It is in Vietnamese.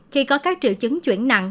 khi có các triệu chứng chuyển nặng